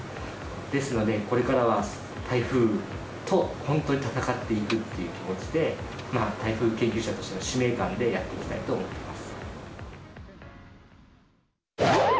ですので、これからは台風と本当に闘っていくという気持ちで、台風研究者としての使命感でやっていきたいと思っています。